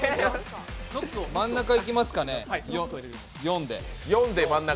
真ん中いきますかね、４で。